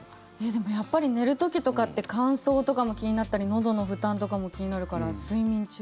でもやっぱり寝る時とかって乾燥とかも気になったりのどの負担とかも気になるから睡眠中？